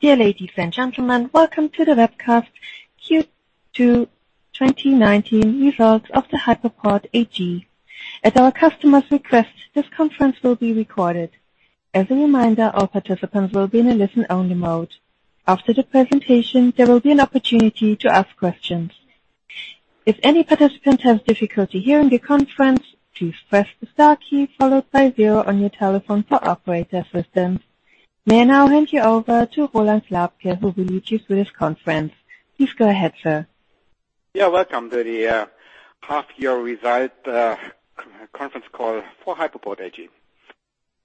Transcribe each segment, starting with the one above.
Dear ladies and gentlemen, welcome to the webcast Q2 2019 results of the Hypoport AG. At our customers' request, this conference will be recorded. As a reminder, all participants will be in a listen-only mode. After the presentation, there will be an opportunity to ask questions. If any participant has difficulty hearing the conference, please press the star key followed by zero on your telephone for operator assistance. May I now hand you over to Ronald Slabke, who will lead you through this conference. Please go ahead, sir. Yeah, welcome to the half-year result conference call for Hypoport AG.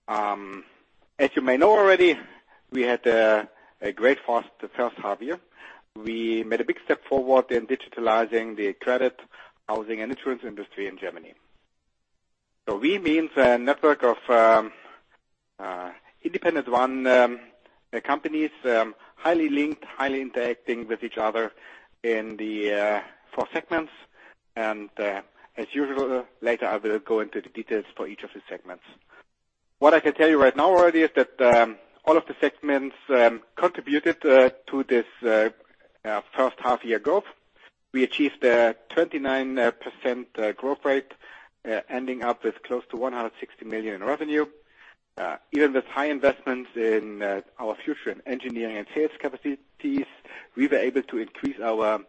As you may know already, we had a great first half-year. We made a big step forward in digitalizing the credit, housing, and insurance industry in Germany. We mean a network of independent companies, highly linked, highly interacting with each other in the four segments, and as usual, later I will go into the details for each of the segments. What I can tell you right now already is that all of the segments contributed to this first half-year growth. We achieved a 29% growth rate, ending up with close to 160 million in revenue. Even with high investments in our future in engineering and sales capacities, we were able to increase our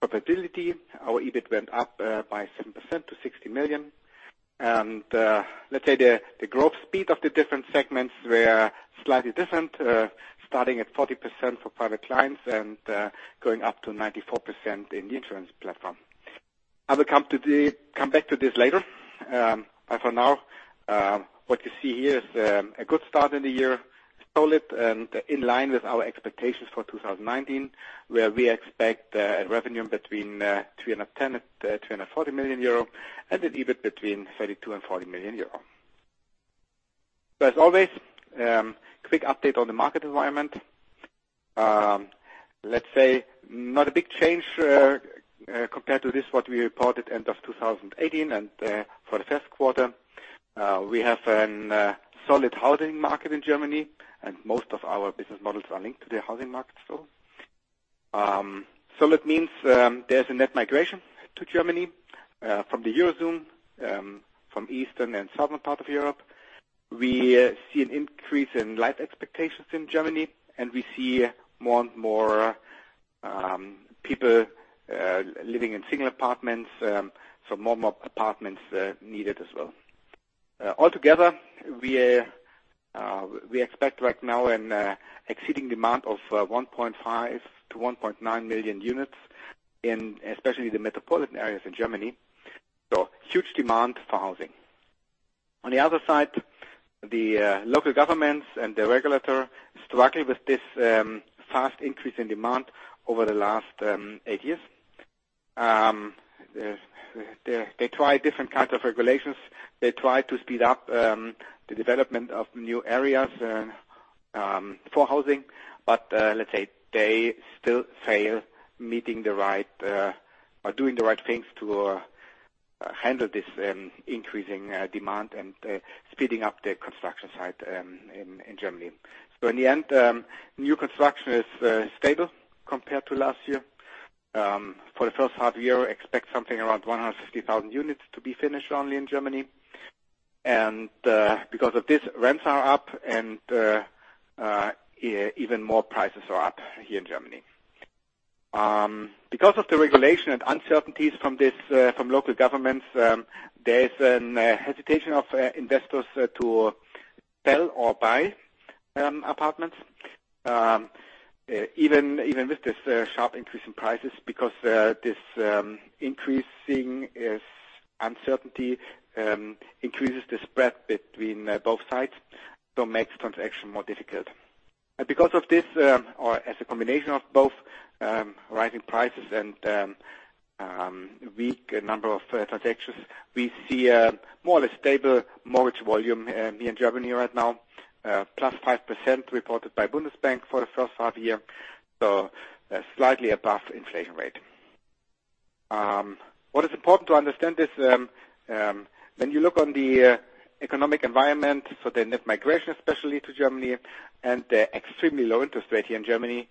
profitability. Our EBIT went up by 7% to 60 million. Let's say the growth speed of the different segments were slightly different, starting at 40% for private clients and going up to 94% in the insurance platform. I will come back to this later. For now, what you see here is a good start in the year, solid and in line with our expectations for 2019, where we expect a revenue between 310 million and 340 million euro and an EBIT between 32 million and 40 million euro. As always, quick update on the market environment. Let's say, not a big change compared to this, what we reported end of 2018 and for the first quarter. We have a solid housing market in Germany, and most of our business models are linked to the housing market as well. That means there's a net migration to Germany from the Eurozone, from Eastern and Southern part of Europe. We see an increase in life expectations in Germany. We see more and more people living in single apartments, more apartments needed as well. Altogether, we expect right now an exceeding demand of 1.5 to 1.9 million units in especially the metropolitan areas in Germany. Huge demand for housing. On the other side, the local governments and the regulator struggle with this fast increase in demand over the last eight years. They try different kinds of regulations. They try to speed up the development of new areas for housing. Let's say they still fail doing the right things to handle this increasing demand and speeding up the construction site in Germany. In the end, new construction is stable compared to last year. For the first half of the year, expect something around 150,000 units to be finished only in Germany. Because of this, rents are up and even more prices are up here in Germany. Because of the regulation and uncertainties from local governments, there is a hesitation of investors to sell or buy apartments. Even with this sharp increase in prices, because this increasing uncertainty increases the spread between both sides, so makes transaction more difficult. Because of this, or as a combination of both rising prices and weak number of transactions, we see a more or less stable mortgage volume here in Germany right now, plus 5% reported by Bundesbank for the first half of the year, so slightly above inflation rate. What is important to understand is, when you look on the economic environment for the net migration, especially to Germany, and the extremely low interest rate here in Germany,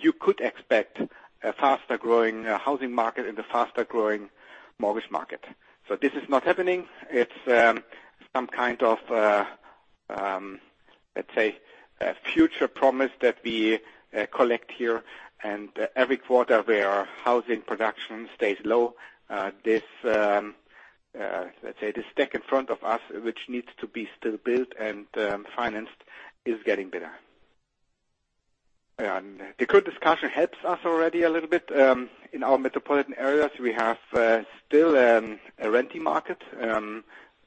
you could expect a faster-growing housing market and a faster-growing mortgage market. This is not happening. It's some kind of, let's say, a future promise that we collect here. Every quarter, where our housing production stays low, let's say, this stack in front of us, which needs to be still built and financed, is getting bigger. The good discussion helps us already a little bit. In our metropolitan areas, we have still a renting market.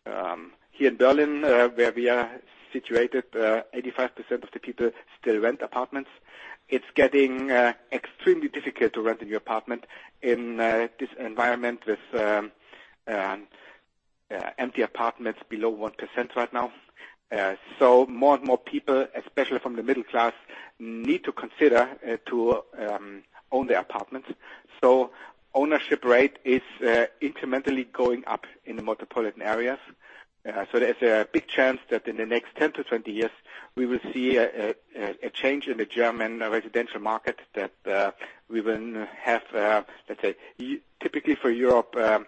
Here in Berlin, where we are situated, 85% of the people still rent apartments. It's getting extremely difficult to rent a new apartment in this environment with empty apartments below 1% right now. More and more people, especially from the middle class, need to consider to own their apartments. Ownership rate is incrementally going up in the metropolitan areas. There's a big chance that in the next 10 to 20 years, we will see a change in the German residential market, that we will have, let's say, typically for Europe, 60%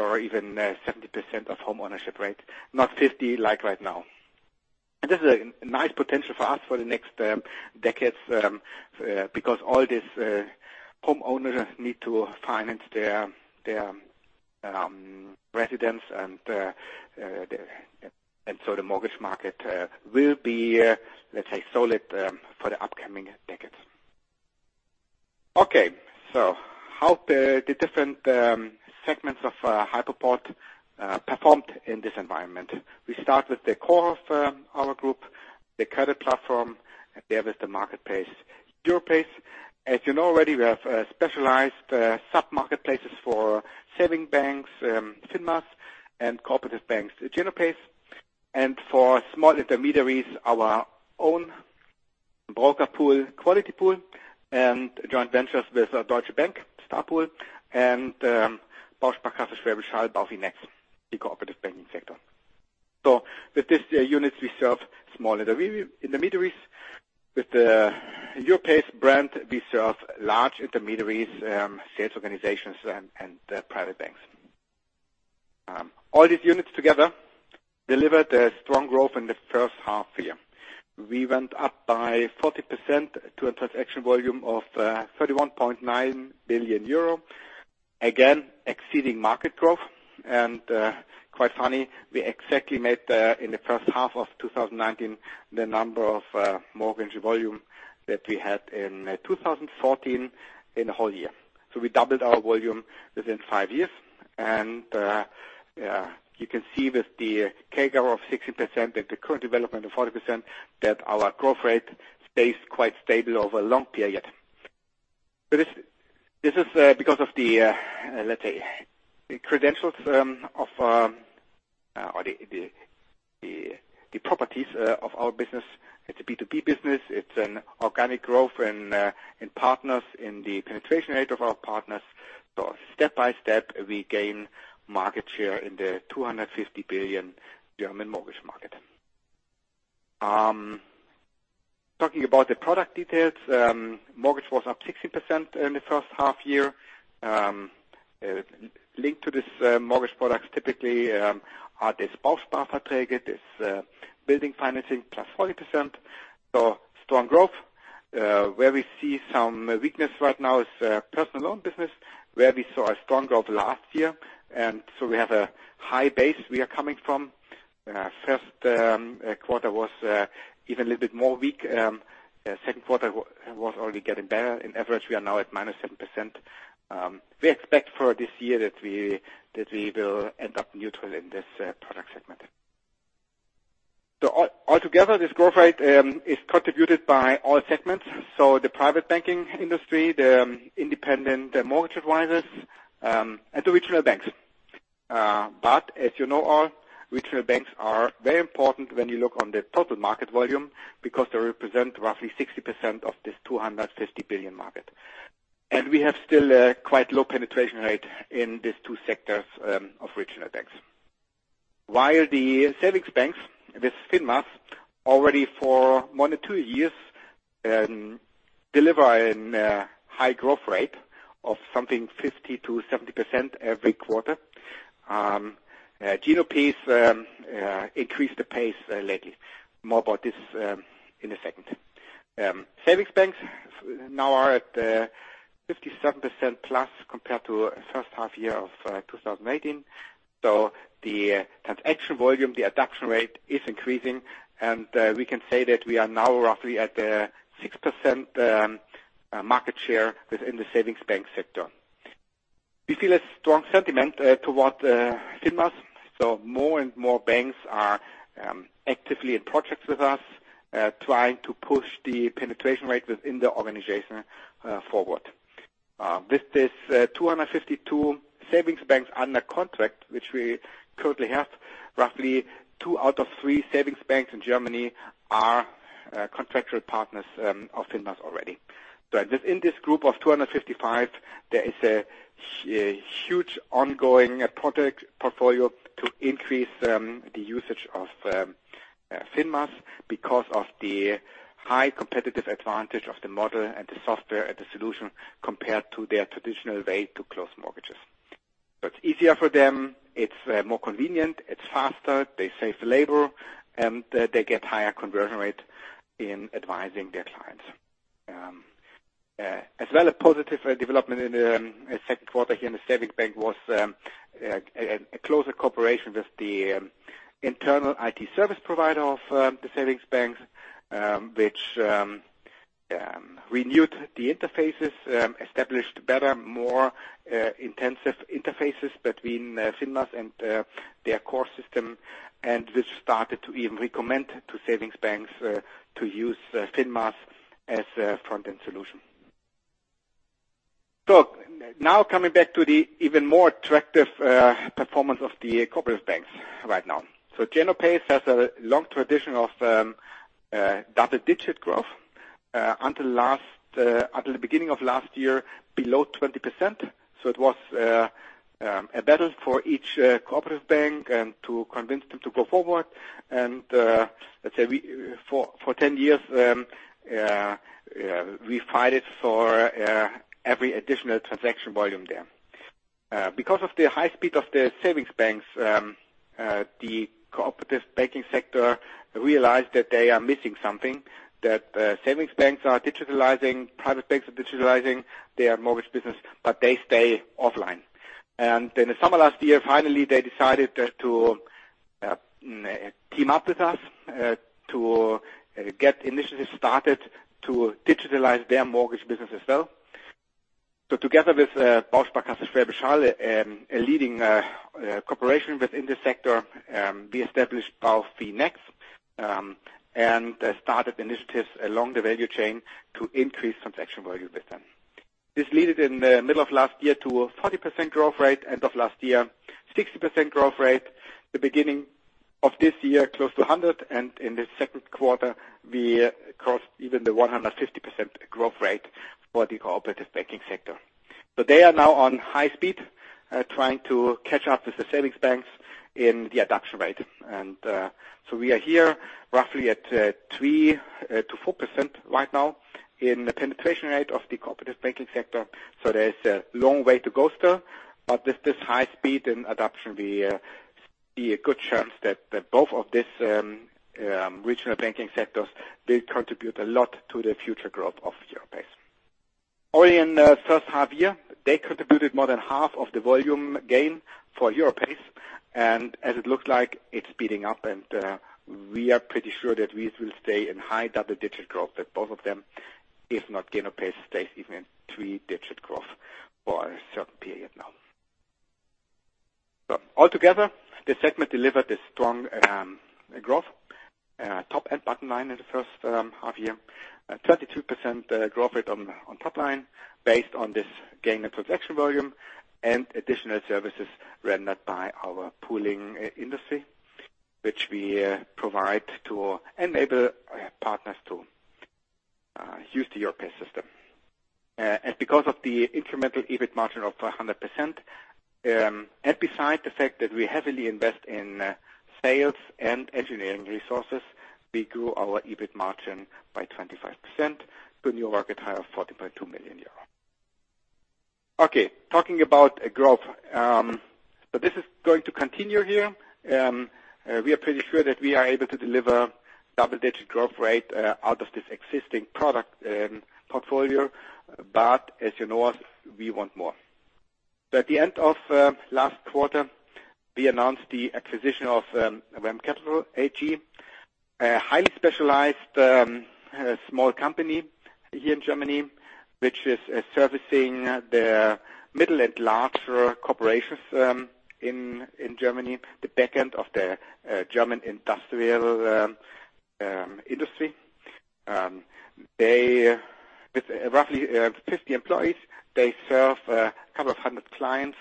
or even 70% of home ownership rate, not 50% like right now. This is a nice potential for us for the next decades, because all these home owners need to finance their residence, and so the mortgage market will be, let's say, solid for the upcoming decades. Okay. How the different segments of Hypoport performed in this environment. We start with the core of our group, the credit platform, and there is the marketplace, Europace. As you know already, we have specialized sub-marketplaces for saving banks, FINMAS, and cooperative banks, GENOPACE, and for small intermediaries, our own broker pool, Qualitypool, and joint ventures with Deutsche Bank, Starpool, and Bausparkasse Schwäbisch Hall, Baufinex, the cooperative banking sector. With these units, we serve small intermediaries. With the Europace brand, we serve large intermediaries, sales organizations, and private banks. All these units together delivered a strong growth in the first half year. We went up by 40% to a transaction volume of 31.9 billion euro, again, exceeding market growth. Quite funny, we exactly made, in the first half of 2019, the number of mortgage volume that we had in 2014 in a whole year. We doubled our volume within five years. You can see with the CAGR of 60% and the current development of 40%, that our growth rate stays quite stable over a long period. This is because of the, let's say, the credentials or the properties of our business. It's a B2B business. It's an organic growth in partners, in the penetration rate of our partners. Step by step, we gain market share in the 250 billion German mortgage market. Talking about the product details, mortgage was up 16% in the first half year. Linked to this mortgage products typically are this bausparvertrag, this building financing, plus 40%. Strong growth. Where we see some weakness right now is personal loan business, where we saw a strong growth last year. We have a high base we are coming from. First quarter was even a little bit more weak. Second quarter was already getting better. On average, we are now at -7%. We expect for this year that we will end up neutral in this product segment. Altogether, this growth rate is contributed by all segments. The private banking industry, the independent mortgage advisors, and the regional banks. As you know all, regional banks are very important when you look on the total market volume because they represent roughly 60% of this 250 billion market. We have still a quite low penetration rate in these two sectors of regional banks. While the savings banks, this FINMAS, already for more than two years deliver a high growth rate of something 50%-70% every quarter. GENOPACE increased the pace lately. More about this in a second. Savings banks now are at 57% plus compared to first half year of 2018. The transaction volume, the adoption rate is increasing, and we can say that we are now roughly at 6% market share within the savings bank sector. We feel a strong sentiment towards FINMAS, more and more banks are actively in projects with us, trying to push the penetration rate within the organization forward. With this 252 savings banks under contract, which we currently have, roughly two out of three savings banks in Germany are contractual partners of FINMAS already. Within this group of 255, there is a huge ongoing project portfolio to increase the usage of FINMAS because of the high competitive advantage of the model and the software, and the solution compared to their traditional way to close mortgages. It's easier for them. It's more convenient. It's faster. They save labor, and they get higher conversion rate in advising their clients. As well, a positive development in the second quarter here in the savings bank was a closer cooperation with the internal IT service provider of the savings banks, which renewed the interfaces, established better, more intensive interfaces between FINMAS and their core system, and which started to even recommend to savings banks to use FINMAS as a front-end solution. Now coming back to the even more attractive performance of the cooperative banks right now. GENOPACE has a long tradition of double-digit growth until the beginning of last year, below 20%. It was a battle for each cooperative bank and to convince them to go forward. Let's say, for 10 years, we fight it for every additional transaction volume there. Because of the high speed of the savings banks, the cooperative banking sector realized that they are missing something, that savings banks are digitalizing, private banks are digitalizing their mortgage business. They stay offline. In the summer last year, finally, they decided to team up with us to get initiatives started to digitalize their mortgage business as well. Together with Volksbank Kassel Schwalm-Eder, a leading cooperation within this sector, we established our Phoenix and started initiatives along the value chain to increase transaction value with them. This led in the middle of last year to a 40% growth rate. End of last year, 60% growth rate. The beginning of this year, close to 100%. In the second quarter, we crossed even the 150% growth rate for the cooperative banking sector. They are now on high speed, trying to catch up with the savings banks in the adoption rate. We are here roughly at 3%-4% right now in the penetration rate of the cooperative banking sector. There is a long way to go still. With this high speed and adoption, we see a good chance that both of these regional banking sectors will contribute a lot to the future growth of Europace. Only in the first half year, they contributed more than half of the volume gain for Europace. As it looks like, it's speeding up, and we are pretty sure that we will stay in high double-digit growth, that both of them, if not GENOPACE, stay even three-digit growth for a certain period now. Altogether, the segment delivered a strong growth, top and bottom line in the first half year. 32% growth rate on top line based on this gain in transaction volume and additional services rendered by our pooling industry, which we provide to enable partners to use the Europace system. Because of the incremental EBIT margin of 100%, and beside the fact that we heavily invest in sales and engineering resources, we grew our EBIT margin by 25% to a new record high of 42 million euro. Talking about growth. This is going to continue here. We are pretty sure that we are able to deliver double-digit growth rate out of this existing product portfolio. As you know us, we want more. At the end of last quarter, we announced the acquisition of REM CAPITAL AG, a highly specialized small company here in Germany, which is servicing the middle and larger corporations in Germany, the back end of the German industry. With roughly 50 employees, they serve a couple of 100 clients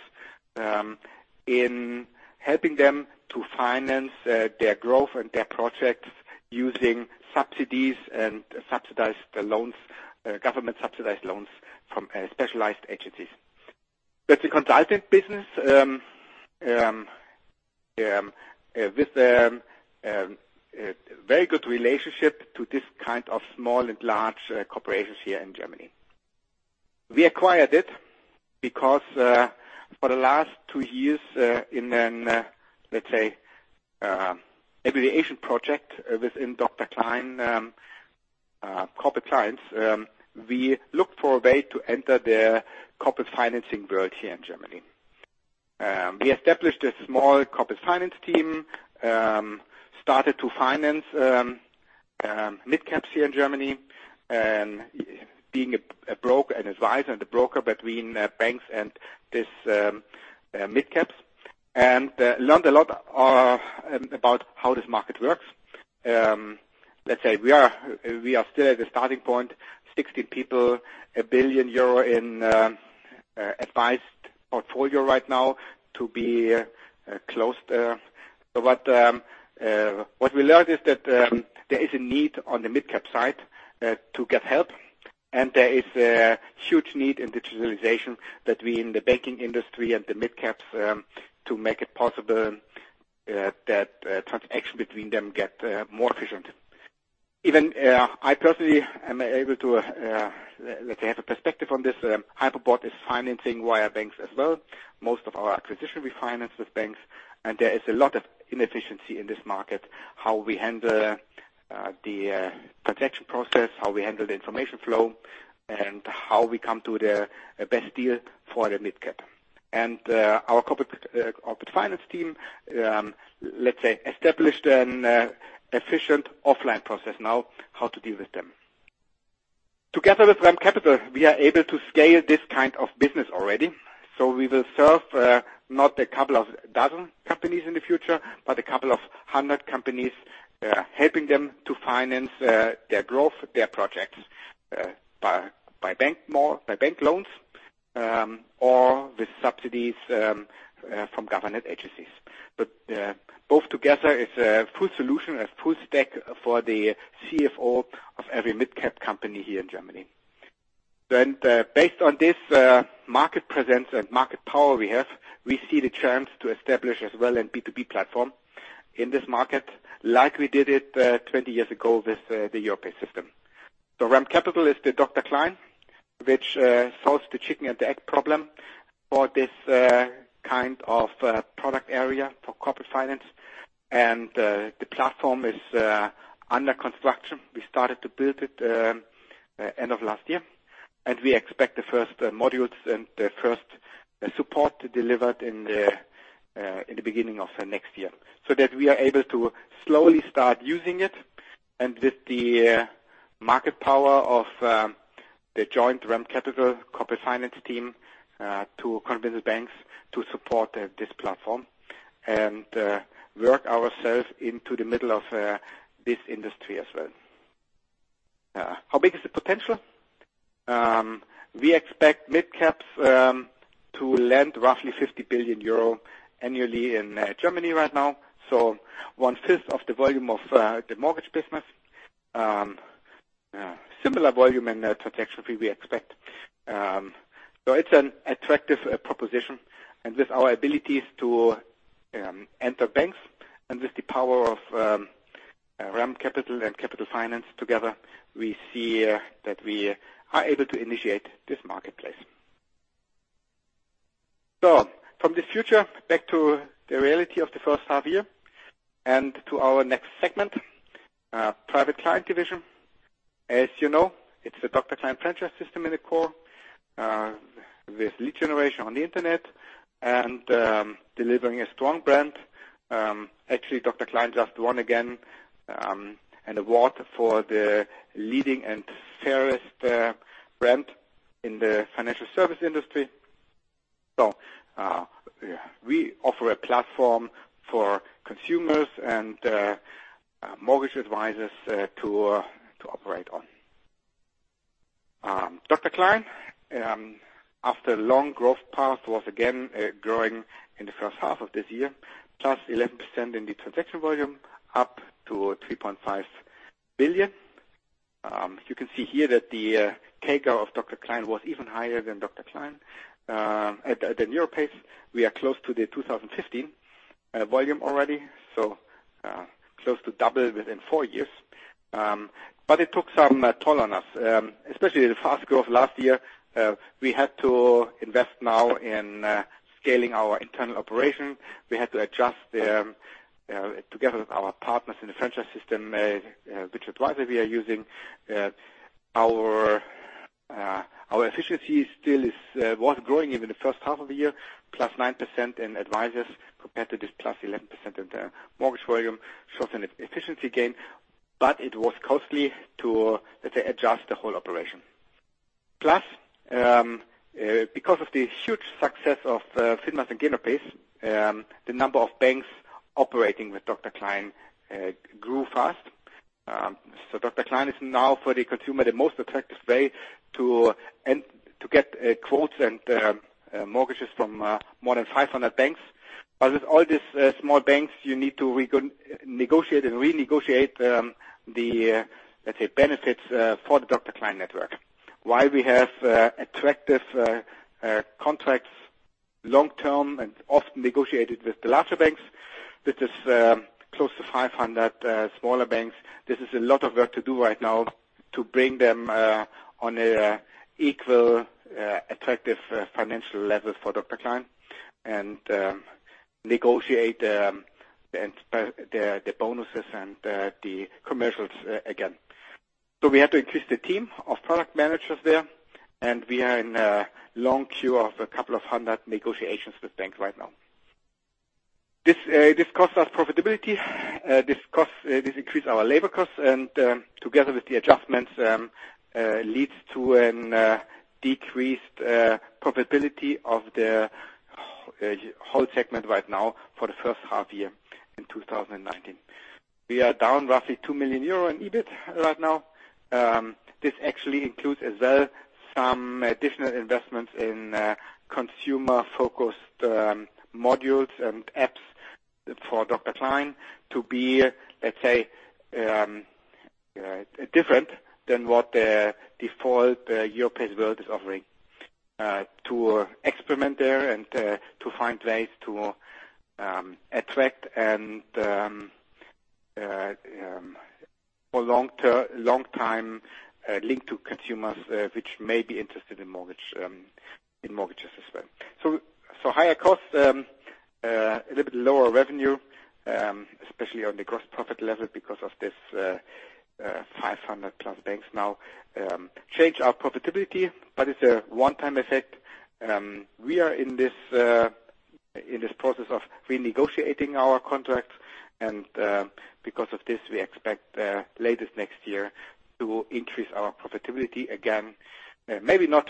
in helping them to finance their growth and their projects using subsidies and subsidized loans, government-subsidized loans from specialized agencies. That's a consulting business with a very good relationship to this kind of small and large corporations here in Germany. We acquired it because for the last two years in an, let's say, affiliation project within Dr. Klein Firmenkunden, we looked for a way to enter the corporate financing world here in Germany. We established a small corporate finance team, started to finance midcaps here in Germany, being an advisor and a broker between banks and these midcaps, and learned a lot about how this market works. Let's say we are still at the starting point, 60 people, 1 billion euro in advised portfolio right now to be close. What we learned is that there is a need on the midcap side to get help, and there is a huge need in digitalization between the banking industry and the midcaps to make it possible that transaction between them get more efficient. Even I personally am able to have a perspective on this. Hypoport is financing via banks as well. Most of our acquisition we finance with banks, and there is a lot of inefficiency in this market, how we handle the transaction process, how we handle the information flow, and how we come to the best deal for the mid-cap. Our corporate finance team, let's say, established an efficient offline process now how to deal with them. Together with REM Capital, we are able to scale this kind of business already. We will serve not a couple of dozen companies in the future, but a couple of hundred companies, helping them to finance their growth, their projects by bank loans or with subsidies from government agencies. Both together is a full solution, a full stack for the CFO of every mid-cap company here in Germany. Based on this market presence and market power we have, we see the chance to establish as well in B2B platform in this market, like we did it 20 years ago with the Europace system. REM Capital is the Dr. Klein, which solves the chicken and the egg problem for this kind of product area for corporate finance, and the platform is under construction. We started to build it end of last year, and we expect the first modules and the first support delivered in the beginning of next year. That we are able to slowly start using it, and with the market power of the joint REM Capital corporate finance team to convince the banks to support this platform and work ourselves into the middle of this industry as well. How big is the potential? We expect midcaps to lend roughly 50 billion euro annually in Germany right now, one-fifth of the volume of the mortgage business. Similar volume in transaction fee, we expect. It's an attractive proposition. With our abilities to enter banks and with the power of REM Capital and Capital Finance together, we see that we are able to initiate this marketplace. From the future back to the reality of the first half year and to our next segment, private client division. As you know, it's the Dr. Klein franchise system in the core, with lead generation on the internet and delivering a strong brand. Actually, Dr. Klein just won again an award for the Leading and Fairest Brand in the financial service industry. We offer a platform for consumers and mortgage advisors to operate on. Dr. Klein, after a long growth path, was again growing in the first half of this year, plus 11% in the transaction volume, up to 3.5 billion. You can see here that the CAGR of Dr. Klein was even higher than Dr. Klein. At the Europace, we are close to the 2015 volume already, so close to double within four years. It took some toll on us. Especially the fast growth last year, we had to invest now in scaling our internal operation. We had to adjust together with our partners in the franchise system, which advisor we are using. Our efficiency still was growing even the first half of the year, plus 9% in advisors compared to this plus 11% in the mortgage volume, shows an efficiency gain, but it was costly to, let's say, adjust the whole operation. Plus, because of the huge success of FINMAS and GENOPACE, the number of banks operating with Dr. Klein grew fast. Dr. Klein is now, for the consumer, the most attractive way to get quotes and mortgages from more than 500 banks. With all these small banks, you need to negotiate and renegotiate the, let's say, benefits for the Dr. Klein network. While we have attractive contracts long-term and often negotiated with the larger banks, this is close to 500 smaller banks. This is a lot of work to do right now to bring them on an equal, attractive financial level for Dr. Klein and negotiate the bonuses and the commercials again. We have to increase the team of product managers there, and we are in a long queue of a couple of hundred negotiations with banks right now. This costs us profitability. This increase our labor costs, and together with the adjustments, leads to an decreased profitability of the whole segment right now for the first half year in 2019. We are down roughly 2 million euro in EBIT right now. This actually includes as well some additional investments in consumer-focused modules and apps for Dr. Klein to be, let's say, different than what the default Europace world is offering. To experiment there and to find ways to attract and for long time link to consumers which may be interested in mortgages as well. Higher costs, a little bit lower revenue, especially on the gross profit level because of this 500-plus banks now change our profitability, but it's a one-time effect. We are in this process of renegotiating our contracts, and because of this, we expect latest next year to increase our profitability again. Maybe not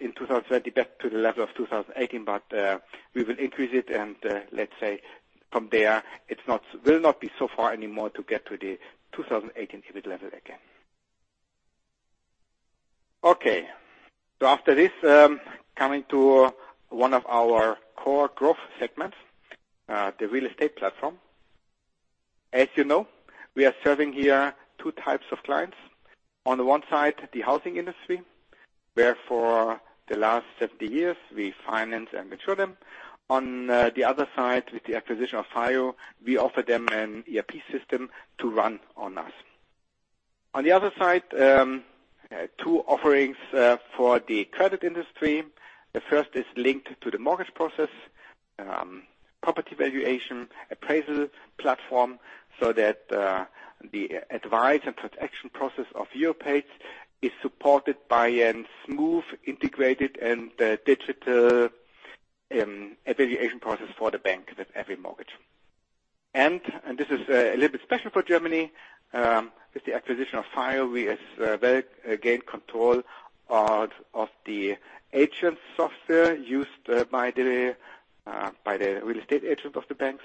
in 2030, back to the level of 2018, but we will increase it, and let's say from there, it will not be so far anymore to get to the 2018 EBIT level again. Okay. After this, coming to one of our core growth segments, the real estate platform. As you know, we are serving here 2 types of clients. On the one side, the housing industry, where for the last 70 years, we finance and insure them. On the other side, with the acquisition of FIO, we offer them an ERP system to run on us. On the other side, two offerings for the credit industry. The first is linked to the mortgage process, property valuation, appraisal platform, so that the advice and transaction process of Europace is supported by a smooth, integrated, and digital evaluation process for the bank with every mortgage. This is a little bit special for Germany. With the acquisition of FIO, we gained control of the agent software used by the real estate agents of the banks.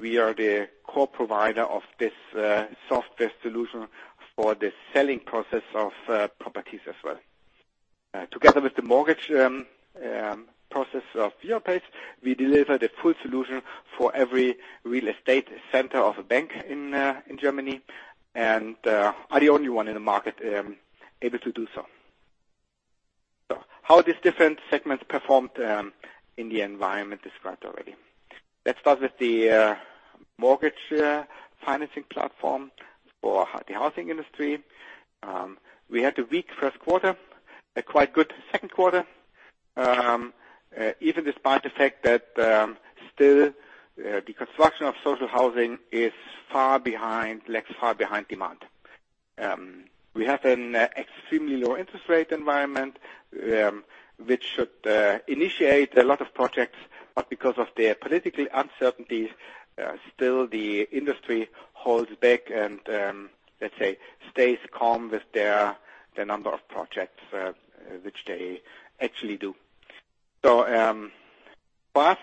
We are the core provider of this software solution for the selling process of properties as well. Together with the mortgage process of Europace, we deliver the full solution for every real estate center of a bank in Germany and are the only one in the market able to do so. How these different segments performed in the environment described already. Let's start with the mortgage financing platform for the housing industry. We had a weak first quarter, a quite good second quarter, even despite the fact that still the construction of social housing lags far behind demand. We have an extremely low interest rate environment, which should initiate a lot of projects, but because of the political uncertainties, still the industry holds back and, let's say, stays calm with the number of projects which they actually do. So far,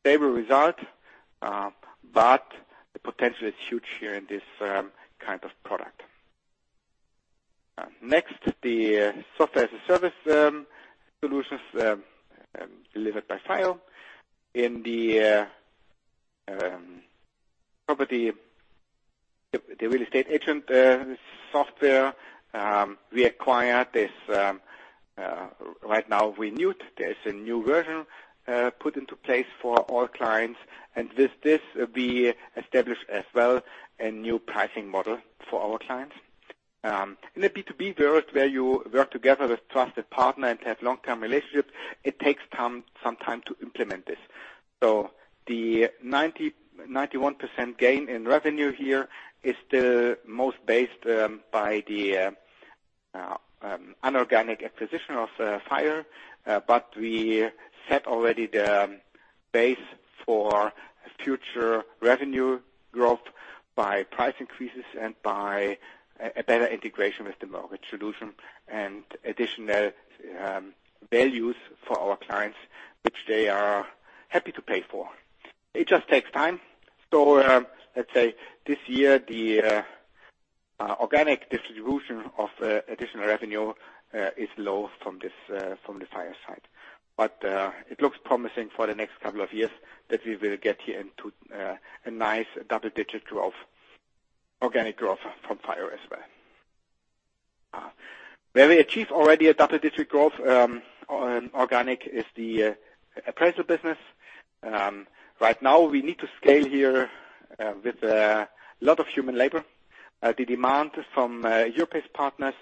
stable result, but the potential is huge here in this kind of product. Next, the software-as-a-service solutions delivered by FIO. In the real estate agent software, we acquired this. Right now, we renewed. There's a new version put into place for all clients. With this, we established as well a new pricing model for our clients. In a B2B world where you work together with trusted partners and have long-term relationships, it takes some time to implement this. The 91% gain in revenue here is still most based by the inorganic acquisition of FIO. We set already the base for future revenue growth by price increases and by a better integration with the mortgage solution and additional values for our clients, which they are happy to pay for. It just takes time. Let's say this year, the organic distribution of additional revenue is low from the FIO side. It looks promising for the next couple of years that we will get here into a nice double-digit organic growth from FIO as well. Where we achieved already a double-digit growth organic is the appraisal business. Right now, we need to scale here with a lot of human labor. The demand from Europace partners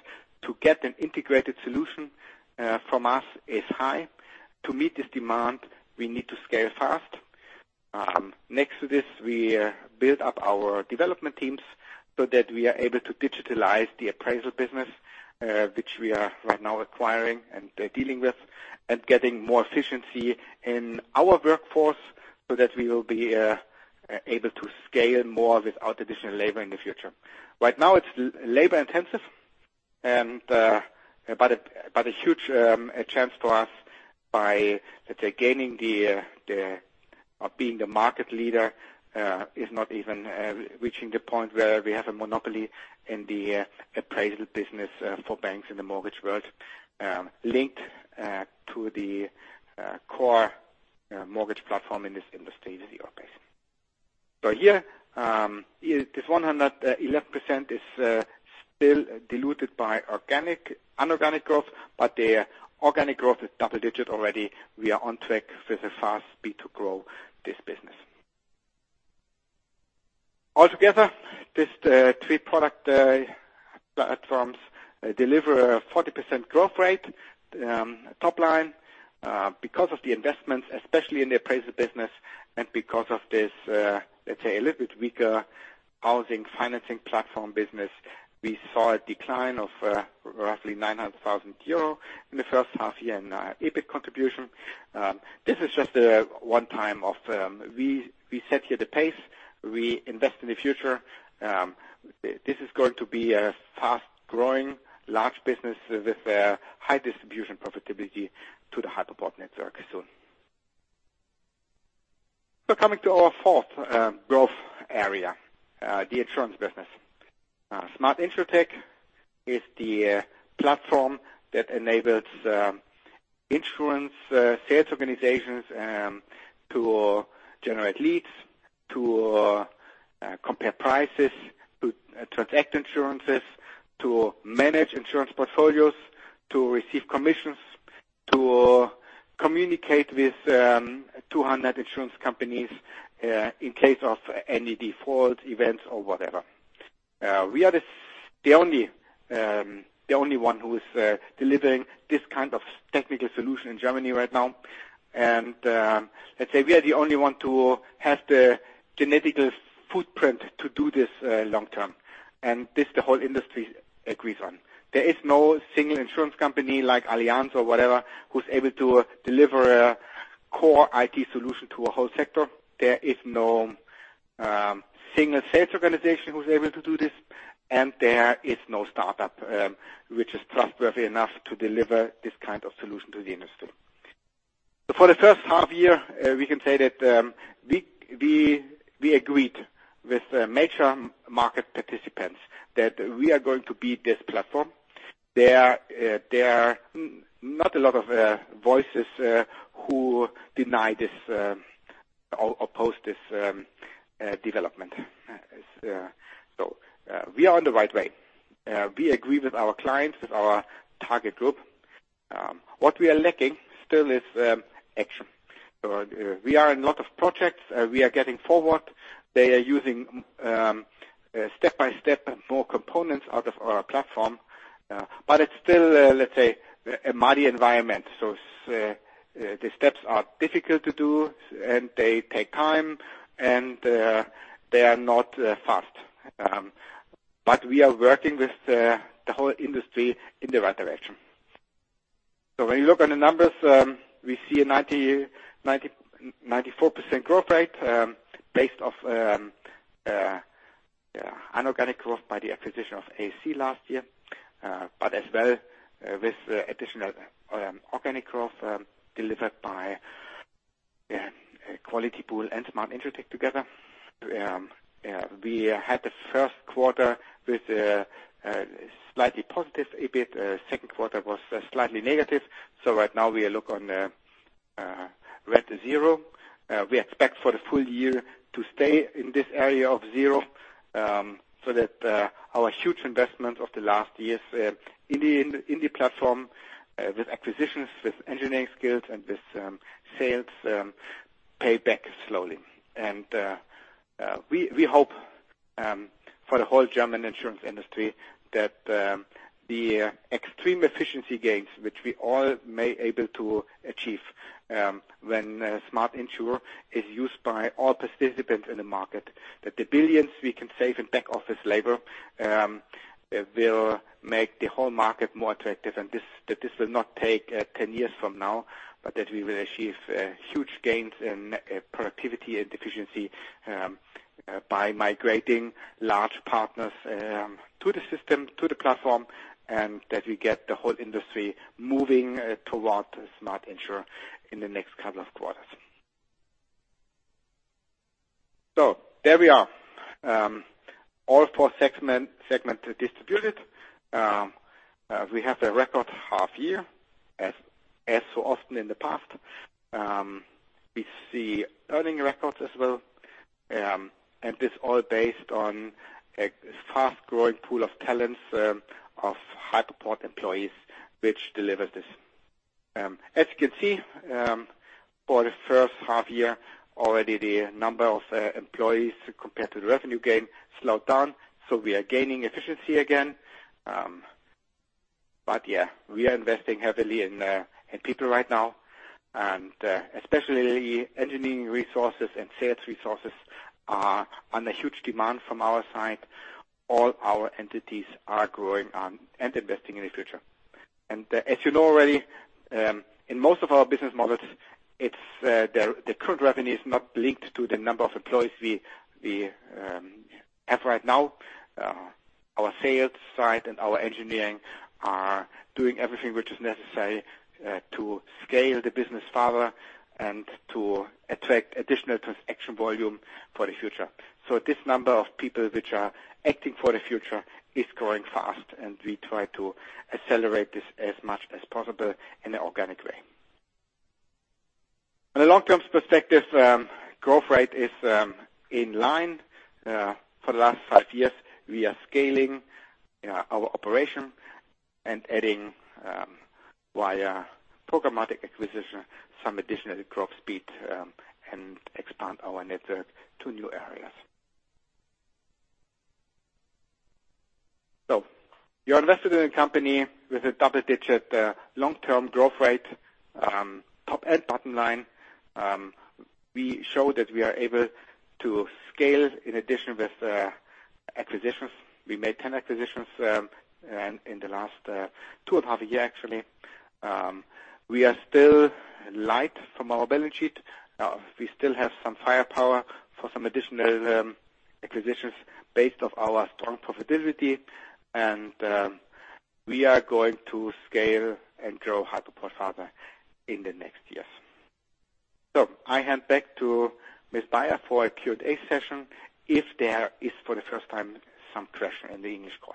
to get an integrated solution from us is high. To meet this demand, we need to scale fast. Next to this, we build up our development teams so that we are able to digitalize the appraisal business, which we are right now acquiring and dealing with and getting more efficiency in our workforce so that we will be able to scale more without additional labor in the future. Right now, it's labor-intensive, but a huge chance for us by, let's say, gaining or being the market leader is not even reaching the point where we have a monopoly in the appraisal business for banks in the mortgage world, linked to the core mortgage platform in this industry with Europace. Here, this 111% is still diluted by inorganic growth, but the organic growth is double-digit already. We are on track with a fast speed to grow this business. Altogether, these three product platforms deliver a 40% growth rate top line. Because of the investments, especially in the appraisal business and because of this, let's say, a little bit weaker housing financing platform business, we saw a decline of roughly 900,000 euro in the first half year in EBIT contribution. This is just a one-time. We set here the pace. We invest in the future. This is going to be a fast-growing, large business with a high distribution profitability to the Hypoport network soon. Coming to our fourth growth area, the insurance business. Smart Insur is the platform that enables insurance sales organizations to generate leads, to compare prices, to transact insurances, to manage insurance portfolios, to receive commissions, to communicate with 200 insurance companies in case of any default events or whatever. We are the only one who is delivering this kind of technical solution in Germany right now. Let's say we are the only one to have the genetic footprint to do this long-term, and this, the whole industry agrees on. There is no single insurance company like Allianz or whatever who's able to deliver a core IT solution to a whole sector. There is no single sales organization who's able to do this, and there is no startup which is trustworthy enough to deliver this kind of solution to the industry. For the first half year, we can say that we agreed with major market participants that we are going to be this platform. There are not a lot of voices who deny this or oppose this development. We are on the right way. We agree with our clients, with our target group. What we are lacking still is action. We are in a lot of projects. We are getting forward. They are using step-by-step more components out of our platform. It's still, let's say, a muddy environment. The steps are difficult to do, and they take time, and they are not fast. We are working with the whole industry in the right direction. When you look on the numbers, we see a 94% growth rate based off inorganic growth by the acquisition of ASC last year, but as well with additional organic growth delivered by Qualitypool and Smart Insur together. We had the first quarter with a slightly positive EBIT. Second quarter was slightly negative. Right now we look on red zero. We expect for the full year to stay in this area of zero, that our huge investment of the last years in the platform with acquisitions, with engineering skills, and with sales pay back slowly. We hope for the whole German insurance industry that the extreme efficiency gains, which we all may able to achieve when Smart Insur is used by all participants in the market, that the billions we can save in back-office labor will make the whole market more attractive. That this will not take 10 years from now, but that we will achieve huge gains in productivity and efficiency by migrating large partners to the system, to the platform, and that we get the whole industry moving toward Smart Insur in the next couple of quarters. There we are. All four segments distributed. We have the record half year as so often in the past. We see earnings records as well, and this all based on a fast-growing pool of talents of Hypoport employees, which delivered this. As you can see, for the first half-year already, the number of employees compared to the revenue gain slowed down. We are gaining efficiency again. Yeah, we are investing heavily in people right now, and especially engineering resources and sales resources are under huge demand from our side. All our entities are growing and investing in the future. As you know already, in most of our business models, the current revenue is not linked to the number of employees we have right now. Our sales side and our engineering are doing everything which is necessary to scale the business further and to attract additional transaction volume for the future. This number of people which are acting for the future is growing fast, and we try to accelerate this as much as possible in an organic way. In the long-term perspective, growth rate is in line. For the last five years, we are scaling our operation and adding via programmatic acquisition, some additional growth speed and expand our network to new areas. You are investing in a company with a double-digit long-term growth rate, top and bottom line. We show that we are able to scale in addition with acquisitions. We made 10 acquisitions in the last two and a half years, actually. We are still light from our balance sheet. We still have some firepower for some additional acquisitions based off our strong profitability, and we are going to scale and grow Hypoport further in the next years. I hand back to Ms. Beyer for a Q&A session if there is, for the first time, some questions in the English call.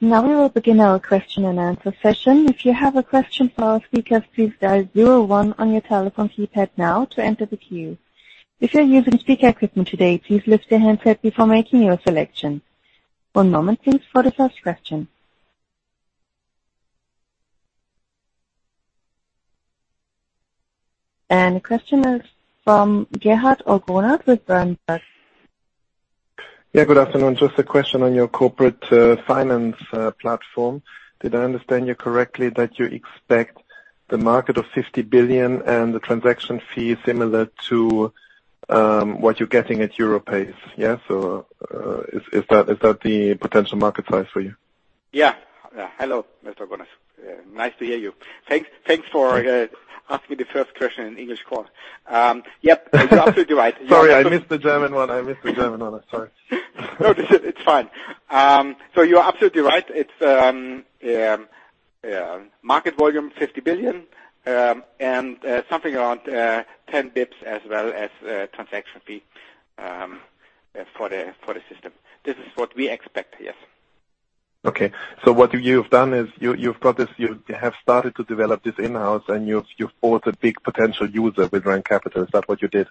Now we will begin our question and answer session. If you have a question for our speakers, please dial 01 on your telephone keypad now to enter the queue. If you're using speaker equipment today, please lift your handset before making your selection. One moment please, for the first question. The question is from Gerhard Orgonas with Berenberg. Good afternoon. Just a question on your corporate finance platform. Did I understand you correctly that you expect the market of 50 billion and the transaction fee similar to what you're getting at Europace, yeah? Is that the potential market size for you? Yeah. Hello, Mr. Orgonas. Nice to hear you. Thanks for asking the first question in the English call. Yep, you're absolutely right. Sorry, I missed the German one. I missed the German one. I'm sorry. No, it's fine. You're absolutely right. It's market volume 50 billion, and something around 10 basis points as well as a transaction fee for the system. This is what we expect. Yes. Okay. What you've done is you have started to develop this in-house, and you've bought a big potential user with REM Capital. Is that what you did?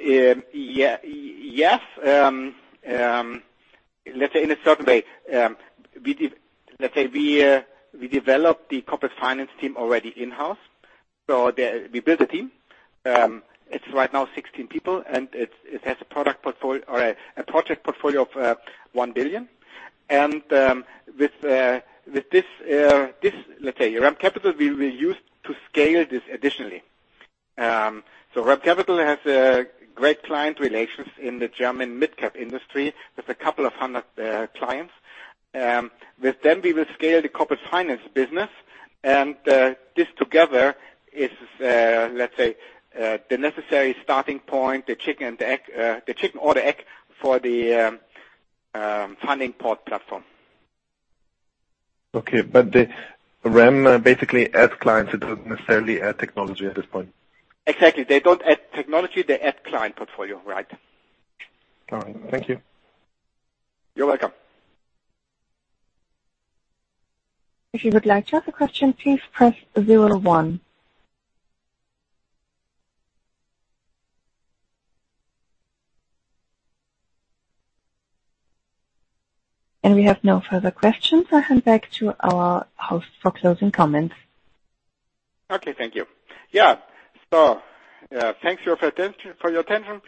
Yes. Let's say in a certain way. Let's say we developed the corporate finance team already in-house. We built a team. It's right now 16 people, and it has a project portfolio of 1 billion. With this, let's say REM Capital will be used to scale this additionally. REM Capital has great client relations in the German mid-cap industry with a couple of hundred clients. With them, we will scale the corporate finance business, and this together is, let's say, the necessary starting point, the chicken or the egg for the FundingPort platform. Okay. REM basically adds clients. It doesn't necessarily add technology at this point. Exactly. They don't add technology. They add client portfolio. Right. All right. Thank you. You're welcome. If you would like to ask a question, please press zero one. We have no further questions. I hand back to our host for closing comments. Okay. Thank you. Yeah. Thanks for your attention.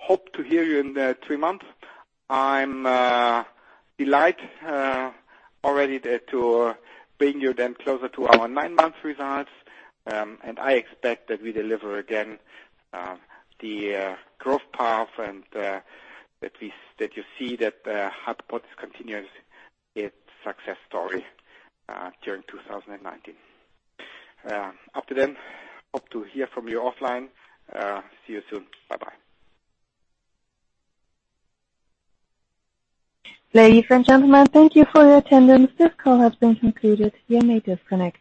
Hope to hear you in three months. I'm delighted already to bring you then closer to our nine-month results, and I expect that we deliver again the growth path, and that you see that Hypoport continues its success story during 2019. Up to then, hope to hear from you offline. See you soon. Bye-bye. Ladies and gentlemen, thank you for your attendance. This call has been concluded. You may disconnect.